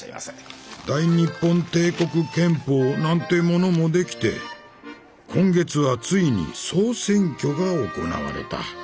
大日本帝国憲法なんてものも出来て今月はついに総選挙が行われた。